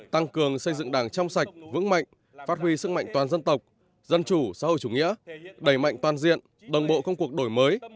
tăng cường xây dựng đảng trong sạch vững mạnh phát huy sức mạnh toàn dân tộc dân chủ xã hội chủ nghĩa đẩy mạnh toàn diện đồng bộ công cuộc đổi mới